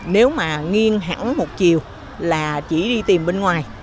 nếu mà nghiêng hẳn một chiều là chỉ đi tìm bên ngoài